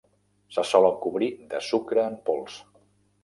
Se solen cobrir de sucre en pols.